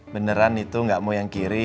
beneran itu nggak mau yang kiri